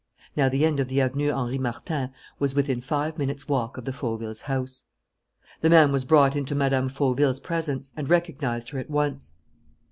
Now the end of the Avenue Henri Martin was within five minutes' walk of the Fauvilles' house. The man was brought into Mme. Fauville's presence and recognized her at once.